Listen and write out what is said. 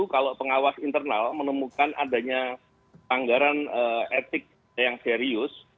kalau pengawas internal menemukan adanya anggaran etik yang serius